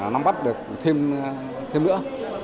nắm bắt được thêm nữa